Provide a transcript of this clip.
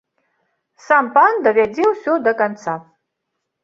Сам пан давядзе ўсё да канца.